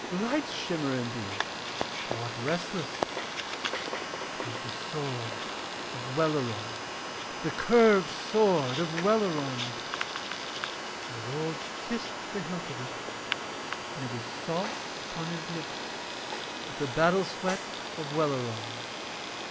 Lights shimmer in thee, thou art restless. It is the sword of Welleran, the curved sword of Welleran!' And Rold kissed the hilt of it, and it was salt upon his lips with the battle sweat of Welleran.